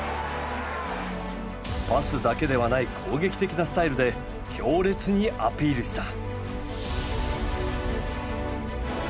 パスだけではない攻撃的なスタイルで強烈にアピールした。